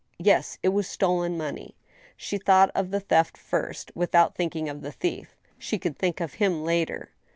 Yes— it was stolen money. She thought of the theft first, with out thinking of the thief. She could think of him later.